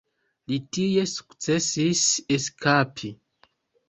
Li tie sukcesis eskapi.